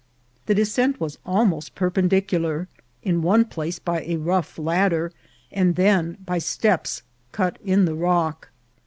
The descent was al most perpendicular, in one place by a rough ladder, and then by steps cut in the rock.